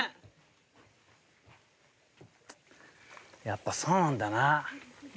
やっぱそうなんだな。